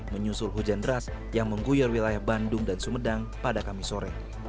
menyusul hujan dras yang mengguyur wilayah bandung dan sumedang pada kabisore